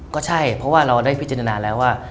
ก็ใช่เพราะว่าเราได้พิจารณาแล้วว่า